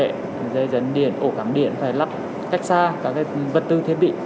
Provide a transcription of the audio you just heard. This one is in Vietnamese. các dây dấn điện ổ cảm điện phải lắp cách xa các vật tư thiết bị